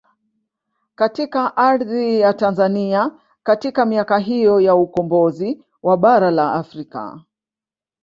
Katika ardhi ya Tanzanai katika miaka hiyo ya ukombozi wa bara la Afrika